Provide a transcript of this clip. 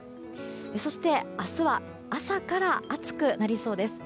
そして、明日は朝から暑くなりそうです。